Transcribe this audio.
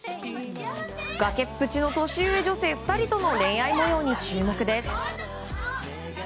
崖っぷちの年上女性２人との恋愛模様に注目です。